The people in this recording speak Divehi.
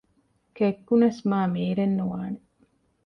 ކެއްކުނަސް މާމީރެއް ނުވާނެ